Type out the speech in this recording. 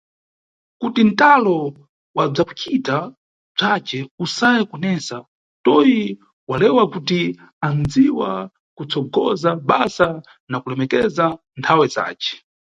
Kuti ntalo wa bzwakucita bzwace usaye kunesa, Toi walewa kuti anʼdziwa kutsogoza basa na kulemekeza nthawe zace.